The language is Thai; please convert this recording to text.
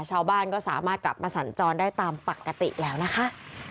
ชาวบ้านก็สามารถกลับมาสัญจรได้ตามปกติแล้วนะคะ